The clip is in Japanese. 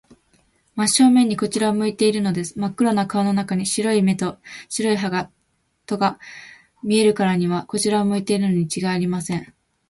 真正面にこちらを向いているのです。まっ黒な顔の中に、白い目と白い歯とが見えるからには、こちらを向いているのにちがいありません。